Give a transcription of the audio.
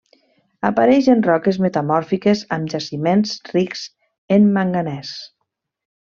Apareix en roques metamòrfiques amb jaciments rics en manganès.